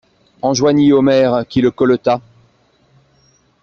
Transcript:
Enjoignit Omer, qui le colleta.